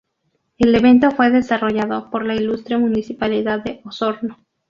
El evento fue desarrollado por la Ilustre Municipalidad de Osorno.